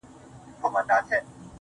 هغه اوس گل ماسوم په غېږه كي وړي_